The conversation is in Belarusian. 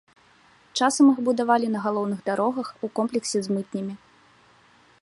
Часам іх будавалі на галоўных дарогах у комплексе з мытнямі.